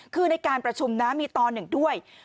คือในการประชุมนะมีตอนหนึ่งด้วย